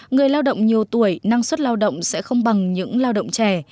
người lao động nhiều tuổi năng suất lao động sẽ không bằng những lao động trẻ